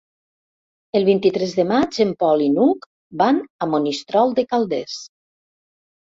El vint-i-tres de maig en Pol i n'Hug van a Monistrol de Calders.